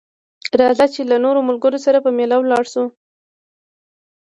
راځه چې له نورو ملګرو سره په ميله لاړ شو